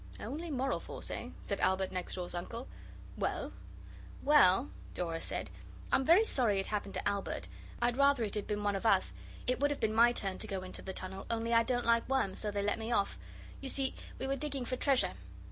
'Only moral force, eh?' said Albert next door's uncle. 'Well?' 'Well,' Dora said, 'I'm very sorry it happened to Albert I'd rather it had been one of us. It would have been my turn to go into the tunnel, only I don't like worms, so they let me off. You see we were digging for treasure.